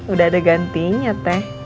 udah ada gantinya teh